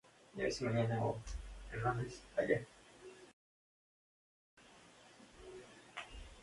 Las semillas son muchas y diminutas.